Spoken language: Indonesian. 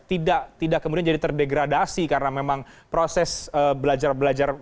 tidak kemudian jadi terdegradasi karena memang proses belajar belajar